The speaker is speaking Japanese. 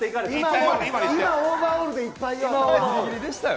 今、オーバーオールでいっぱいよ。